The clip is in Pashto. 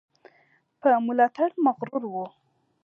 په ملاتړ مغرور وو.